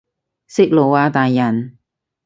息怒啊大人